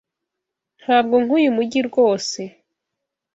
Ntabwonk'uyu mujyi rwose.